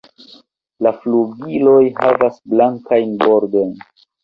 La flugiloj havas blankajn bordojn.